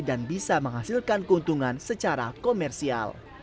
dan bisa menghasilkan keuntungan secara komersial